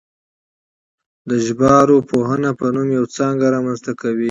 د ژبارواپوهنې په نوم یوه څانګه رامنځته کوي